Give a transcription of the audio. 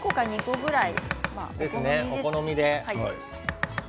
お好みで。